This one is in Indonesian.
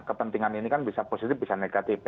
kepentingan ini kan bisa positif bisa negatif